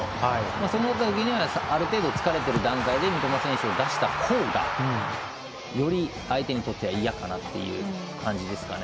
そのときにはある程度、疲れている段階で三笘選手を出したほうがより、相手にとっては嫌かなという感じですかね。